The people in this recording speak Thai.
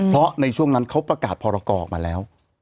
เพราะในช่วงนั้นเขาประกาศพรกรออกมาแล้ว